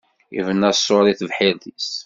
Yebna ṣṣuṛ i tebḥirt-is.